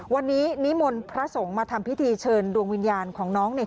วันนี้นิมนต์พระสงฆ์มาทำพิธีเชิญดวงวิญญาณของน้องเนี่ย